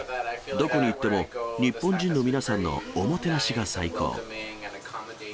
どこに行っても、日本人の皆さんのおもてなしが最高。